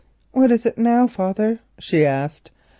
"What is it now, father?" she said.